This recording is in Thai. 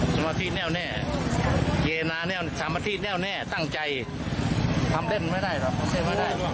สมัครที่แนวแน่สมัครที่แนวแน่ตั้งใจทำเร่มไม่ได้หรอก